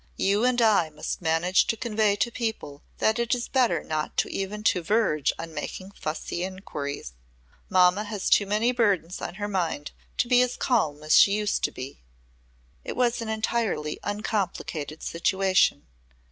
You and I must manage to convey to people that it is better not even to verge on making fussy inquiries. Mamma has too many burdens on her mind to be as calm as she used to be." It was an entirely uncomplicated situation.